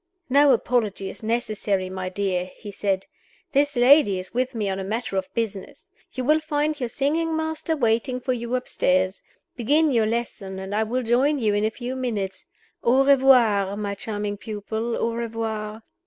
"No apology is necessary, my dear," he said. "This lady is with me on a matter of business. You will find your singing master waiting for you upstairs. Begin your lesson; and I will join you in a few minutes. Au revoir, my charming pupil _au revoir.